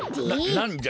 ななんじゃ？